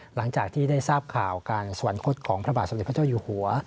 หลังจากที่ได้ทราบข่าวการสวรรคตของพระบาทสมเด็จพระเจ้าอยู่หัว